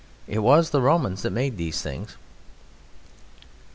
It was the Romans that made these things.